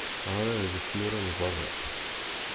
Ɣṛiɣ di tmura n beṛṛa.